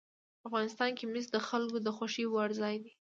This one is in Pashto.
افغانستان کې مس د خلکو د خوښې وړ ځای دی.